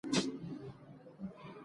او د هغه بوی مې تر سپوږمو شوی وی.